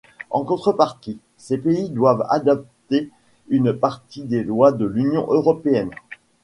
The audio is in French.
En contrepartie, ces pays doivent adopter une partie des lois de l'Union européenne.